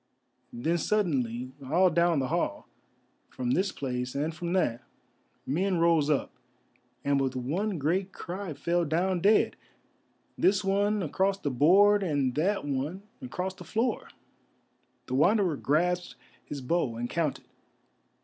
Then suddenly all down the hall, from this place and from that, men rose up and with one great cry fell down dead, this one across the board, and that one across the floor. The Wanderer grasped his bow and counted.